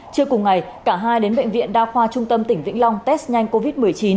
trưa cùng ngày cả hai đến bệnh viện đa khoa trung tâm tỉnh vĩnh long test nhanh covid một mươi chín